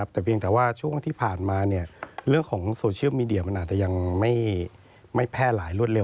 แต่เพียงแต่ว่าช่วงที่ผ่านมาเรื่องของโซเชียลมีเดียมันอาจจะยังไม่แพร่หลายรวดเร็